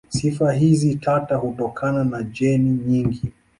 Sifa hizi tata hutokana na jeni nyingi.